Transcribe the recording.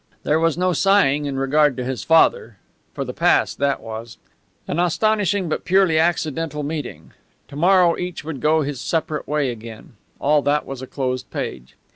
There was no sighing in regard to his father, for the past that was. An astonishing but purely accidental meeting; to morrow each would go his separate way again. All that was a closed page.